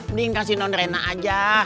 mending kasih nonrena aja